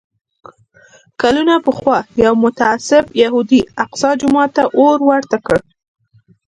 کلونه پخوا یو متعصب یهودي الاقصی جومات ته اور ورته کړ.